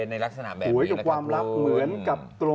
ในลักษณะแบบนี้แหละค่ะคุณ